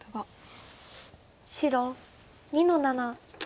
白２の七。